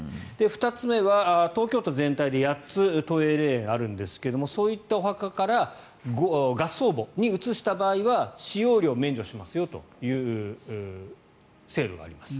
２つ目は東京都全体で８つ都営霊園あるんですがそういったお墓から合葬墓に移した場合は使用料を免除しますという制度があります。